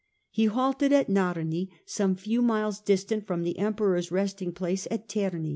He halted at Narni, some few miles distant from the Emperor's resting place at Terni.